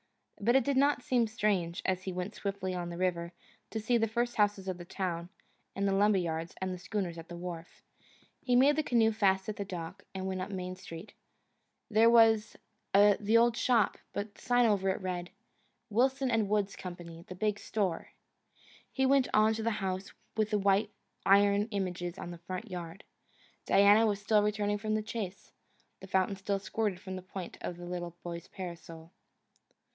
But it did not seem strange, as he went swiftly on with the river, to see the first houses of the town, and the lumber yards, and the schooners at the wharf. He made the canoe fast at the dock, and went up the Main Street. There was the old shop, but the sign over it read, "Wilson and Woods Company, The Big Store." He went on to the house with the white iron images in the front yard. Diana was still returning from the chase. The fountain still squirted from the point of the little boy's parasol.